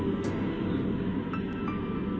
สวัสดีครับ